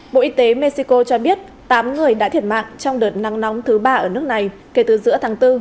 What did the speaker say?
bộ y tế mexico cho biết tám người đã thiệt mạng trong đợt nắng nóng thứ ba ở nước này kể từ giữa tháng bốn